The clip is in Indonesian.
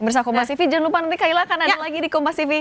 bersama mbak siti jangan lupa nanti kaila akan ada lagi di kompas tv